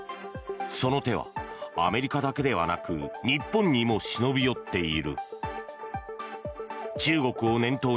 その手は、アメリカだけではなく日本にも忍び寄っている。